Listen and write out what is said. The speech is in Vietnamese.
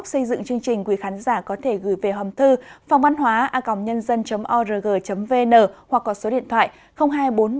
suốt bao năm tháng